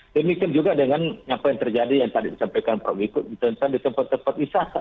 dan miskin juga dengan yang tadi disampaikan pak wikud tentang tempat tempat wisata